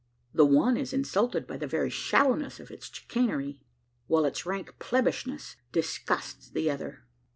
The one is insulted by the very shallowness of its chicanery, while its rank plebbishness disgusts the other.